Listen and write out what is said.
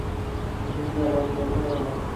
নিজেকে আবার বদলে ফেলো না।